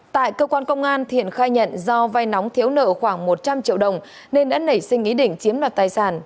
tại cơ quan công an thiện khai nhận do vai nóng thiếu nợ khoảng một trăm linh triệu đồng nên đã nảy sinh ý định chiếm đoạt tài sản